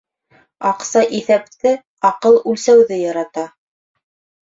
Аҡса иҫәпте, аҡыл үлсәүҙе ярата.